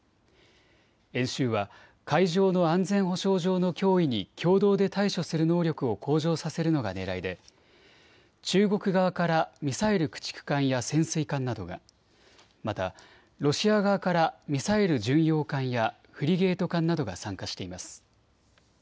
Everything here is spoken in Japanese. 演習は海上の安全保障上の脅威に共同で対処する能力を向上させるのがねらいで中国側からミサイル駆逐艦や潜水艦などが、またロシア側からミサイル巡洋艦やフリゲート艦などが参加しています。